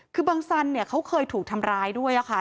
คือบังสันเขาเคยถูกทำร้ายด้วยอะค่ะ